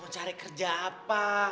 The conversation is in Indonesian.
mau cari kerja apa